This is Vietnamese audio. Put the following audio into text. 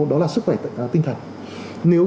đó là sức khỏe tinh thần nếu